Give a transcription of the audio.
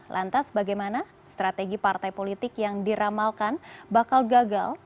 lantas bagaimana strategi partai politik yang diramalkan bakal gagal